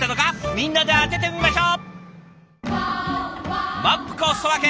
みんなで当ててみましょう！